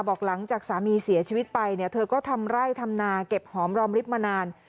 บอกหลังจากสามีเสียชีวิตไปเนี่ยเธอก็ทำไร่ทำนาเก็บหอมรอมริบมานาน